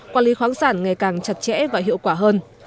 quản lý khoáng sản ngày càng chặt chẽ và hiệu quả hơn